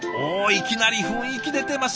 いきなり雰囲気出てます。